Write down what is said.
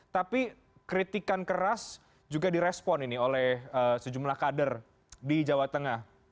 tapi kritikan keras juga direspon ini oleh sejumlah kader di jawa tengah